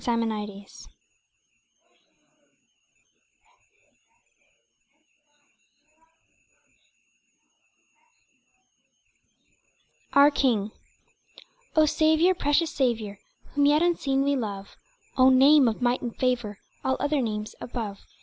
J R HAVERGAL Our King O Saviour, precious Saviour, Whom yet unseen we love, O Name of might and favour, All other names above!